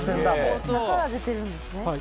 だから出てるんですね。